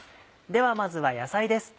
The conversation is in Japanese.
ではまずは野菜です。